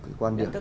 cái quan điểm